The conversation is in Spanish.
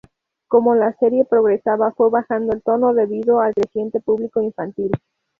Como la serie progresaba fue bajando de tono debido al creciente público infantil.